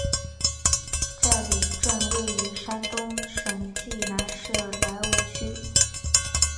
寨里镇位于山东省济南市莱芜区。